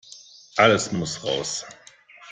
Alles muss raus.